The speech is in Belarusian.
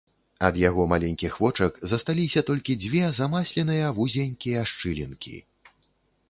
Ад яго маленькіх вочак засталіся толькі дзве замасленыя вузенькія шчылінкі.